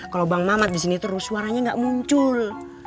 kalau bang mamat disini terus suaranya gak muncul